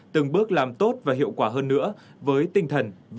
từng bước làm tốt và hiệu quả hơn nữa với tinh thần vì nhân dân phục vụ